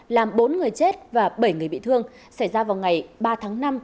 làm bốn người chết và bảy người bị thương xảy ra vào ngày ba tháng năm